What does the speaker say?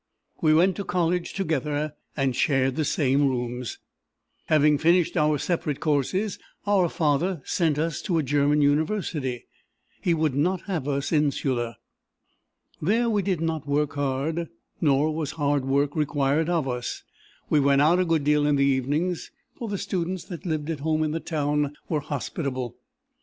"We went to college together, and shared the same rooms. "Having finished our separate courses, our father sent us to a German university: he would not have us insular! "There we did not work hard, nor was hard work required of us. We went out a good deal in the evenings, for the students that lived at home in the town were hospitable.